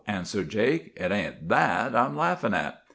answered Jake, 'it ain't that I'm laughing at.